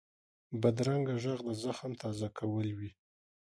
بدرنګه غږ د زخم تازه کول وي